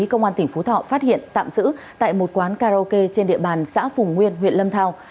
công an tỉnh phú thọ phát hiện tạm giữ tại một quán karaoke trên địa bàn xã phùng nguyên huyện lâm thao